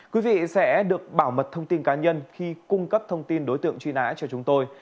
quý vị sẽ được bảo mật thông tin cá nhân khi cung cấp thông tin đối tượng truy nã cho chúng tôi